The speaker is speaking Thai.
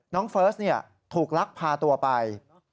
น้องเฟิร์สถูกลักษณ์พาตัวไป